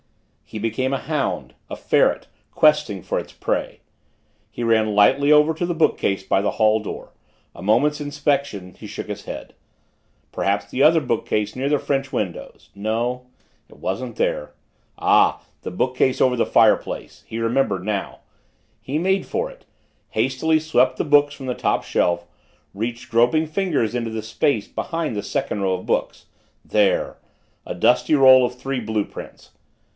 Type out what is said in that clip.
He became a hound a ferret questing for its prey. He ran lightly over to the bookcase by the hall door a moment's inspection he shook his head. Perhaps the other bookcase near the French windows no it wasn't there. Ah, the bookcase over the fireplace! He remembered now! He made for it, hastily swept the books from the top shelf, reached groping fingers into the space behind the second row of books. There! A dusty roll of three blue prints!